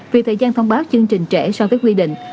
vì thời gian thông báo chương trình trẻ so với quy định